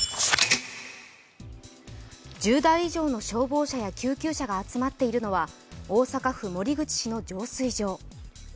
１０台以上の消防車や救急車が集まっているのは大阪府守口市の浄水場。